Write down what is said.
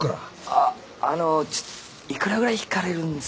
あっあのちょっ幾らぐらい引かれるんすかね。